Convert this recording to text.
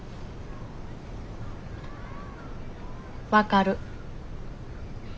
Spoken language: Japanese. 分かる。